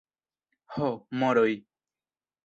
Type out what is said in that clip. Ho, moroj!